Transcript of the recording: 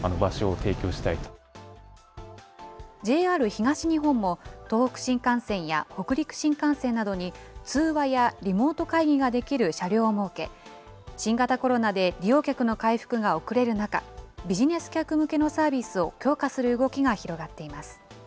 ＪＲ東日本も、東北新幹線や北陸新幹線などに通話やリモート会議ができる車両を設け、新型コロナで利用客の回復が遅れる中、ビジネス客向けのサービスを強化する動きが広がっています。